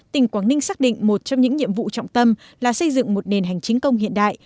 tỉnh quảng ninh xác định một trong những nhiệm vụ trọng tâm là xây dựng một nền hành chính công hiện đại